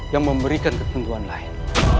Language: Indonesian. yang memberikan ketentuan lain